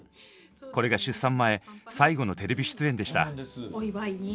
これが出産前最後のテレビ出演でした。